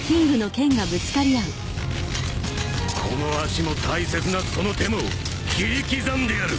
この足も大切なその手も切り刻んでやる！